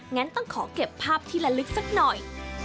งั้นต้องขอเก็บภาพที่ละลึกสักหน่อย